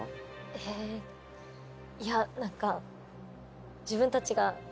えいや何か自分たちが。